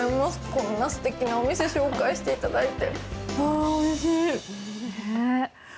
こんな素敵なお店を紹介していただいて。